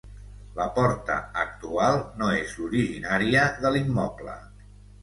La porta actual no és l'originària de l'immoble.